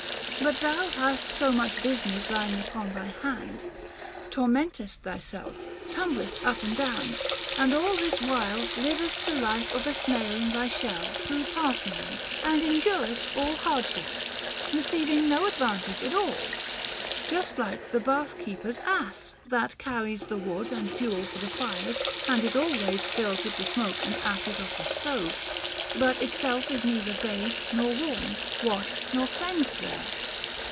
But thou hast so much business lying upon thy hand, tormentest thyself, tumblest up and down, and all this while livest the life of a snail in thy shell through parsimony, and endurest all hardships, receiving no advantage at all ; just like the bath keeper's ass, that carries the wood and fuel for the fires and is always filled with the smoke and ashes of the stove, but itself is neither bathed nor warmed, washed nor cleansed there.